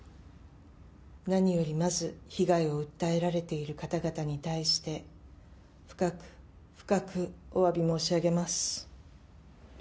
何よりまず、被害を訴えられている方々に対して、深く深くおわび申し上げます。